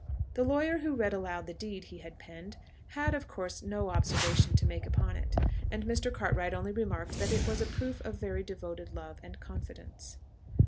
The lawyer who read aloud the deed he had penned, had of course no observation to make upon it, and Mr. Cartwright only remarked that it was a proof of very devoted love and confidence.